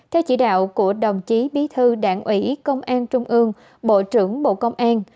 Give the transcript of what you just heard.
theo chỉ đạo của đồng chí bí thư đảng ủy công an trung ương bộ trưởng bộ công an